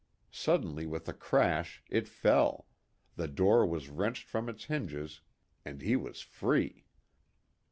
Suddenly, with a crash, it fell, the door was wrenched from its hinges, and he was free!